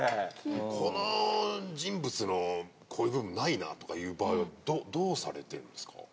この人物のこういう部分ないなとかいう場面どうされてるんですか？